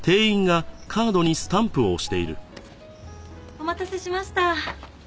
お待たせしました。